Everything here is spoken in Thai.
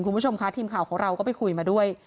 คุณผู้ชมค่ะทีมข่าวของเราก็ไปคุยมาด้วย